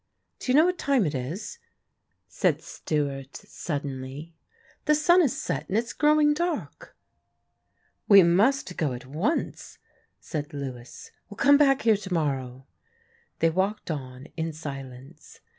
"Do you know what time it is?" said Stewart, suddenly. "The sun has set and it's growing dark." "We must go at once," said Lewis, "we'll come back here to morrow." They walked on in silence.